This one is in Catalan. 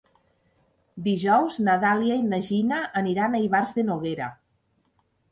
Dijous na Dàlia i na Gina aniran a Ivars de Noguera.